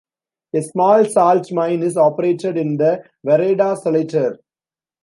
A small salt mine is operated in the "vereda" Salitre.